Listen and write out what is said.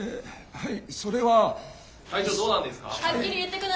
はい！